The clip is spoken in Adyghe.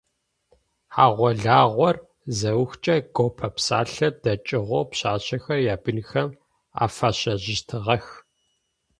Хьагъо-лагъор заухкӏэ, гопэ псалъэр дыкӏыгъоу пшъашъэхэр ябынхэм афащэжьыщтыгъэх.